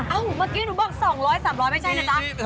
เมื่อกี้หนูบอก๒๐๐๓๐๐ไม่ใช่นะจ๊ะ